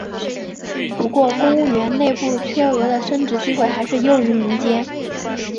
不过公务员内部缺额的升职机会还是优于民间。